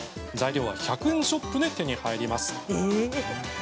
材料は１００円ショップで手に入ります。